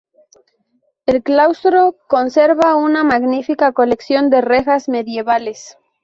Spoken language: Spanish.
El claustro conserva una magnífica colección de rejas medievales.